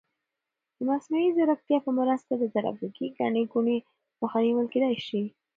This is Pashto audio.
د مصنوعي ځیرکتیا په مرسته د ترافیکي ګڼې ګوڼې مخه نیول کیدای شي.